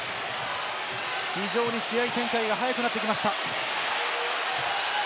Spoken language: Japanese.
非常に試合展開が早くなってきました。